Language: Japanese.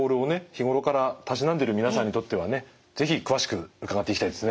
日頃からたしなんでいる皆さんにとってはね是非詳しく伺っていきたいですね！